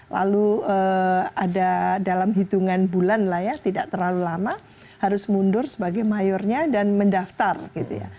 lalu ada dalam hitungan bulan lah ya tidak terlalu lama harus mundur sebagai mayornya dan mendaftar gitu ya